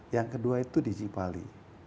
yang kedua itu di cipali